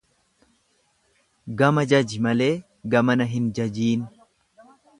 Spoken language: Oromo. Gama jaji malee gamana hin jajiin.